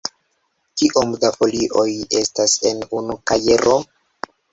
Kiom da folioj estas en unu kajero?